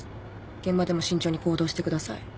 現場でも慎重に行動してください。